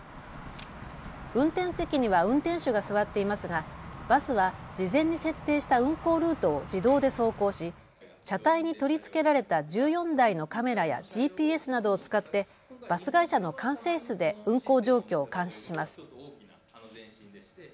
運転席には運転手が座っていますがバスは事前に設定した運行ルートを自動で走行し車体に取り付けられた１４台のカメラやＧＰＳなどを使ってバス会社の管制室で運行状況を監視します。